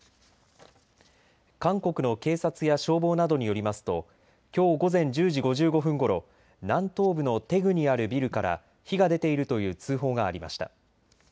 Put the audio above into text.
韓国の警察や消防などによりますときょう午前１０時５５分ごろ、南東部のテグにあるビルから火が出ているという通報がありました。